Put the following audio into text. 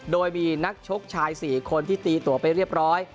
โดยมีนักชกชาย๔คนที่ตีตัวไปเรียบร้อย